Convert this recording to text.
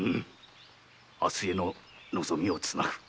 明日への望みをつなぐ。